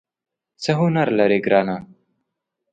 څه هنر لرې ګرانه ؟